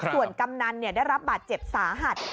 ส่วนกำนันได้รับบาดเจ็บสาหัส